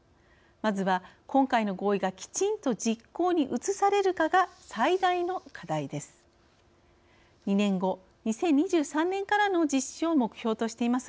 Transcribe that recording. まずは今回の合意がきちんと実行に移されるかが最大の課題です。